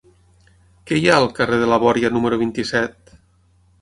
Què hi ha al carrer de la Bòria número vint-i-set?